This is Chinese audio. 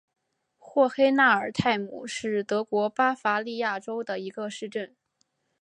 霍黑纳尔泰姆是德国巴伐利亚州的一个市镇。